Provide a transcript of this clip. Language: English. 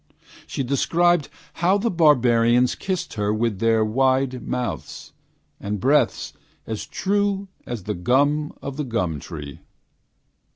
She described how the barbarians kissed her With their wide mouths And breaths as true As the gum of the gum tree.